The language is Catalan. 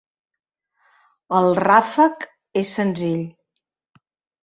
El ràfec és senzill.